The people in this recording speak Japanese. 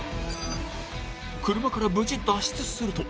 車から無事脱出すると。